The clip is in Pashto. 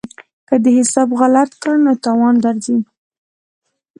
که دې حساب غلط کړ نو تاوان درځي.